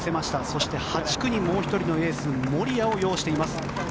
そして８区にもう１人のエース守屋を擁しています。